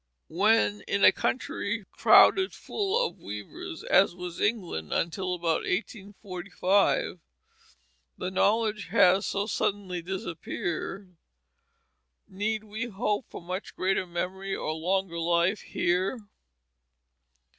When in a country crowded full of weavers, as was England until about 1845, the knowledge has so suddenly disappeared, need we hope for much greater memory or longer life here?